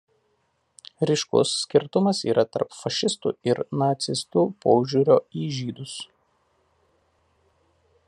Ryškus skirtumas yra tarp fašistų ir nacistų požiūrio į žydus.